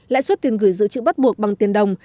lãi suất tiền gửi dự trữ bắt buộc bằng tiền đồng